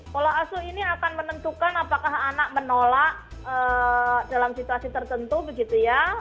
pola asuh ini akan menentukan apakah anak menolak dalam situasi tertentu begitu ya